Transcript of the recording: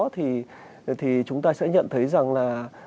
thì chúng ta sẽ nhận thấy rằng là